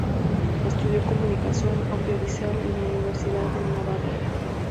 Estudió Comunicación Audiovisual en la Universidad de Navarra.